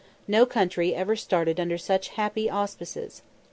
No country ever started under such happy auspices.